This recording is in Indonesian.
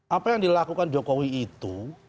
apa yang dilakukan jokowi itu